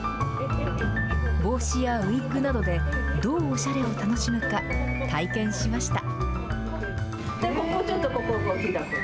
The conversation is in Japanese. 帽子やウィッグなどで、どうおしゃれを楽しむか、体験しました。